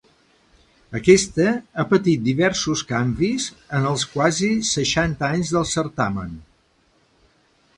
Aquesta ha patit diversos canvis en els quasi seixanta anys del certamen.